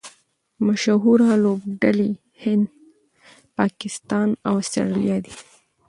مشهوره لوبډلي هند، پاکستان او اسټرالیا دي.